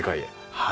はい。